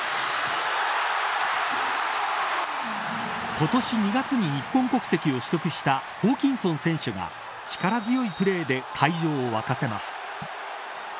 今年２月に日本国籍を取得したホーキンソン選手が力強いプレーで会場を沸かせます。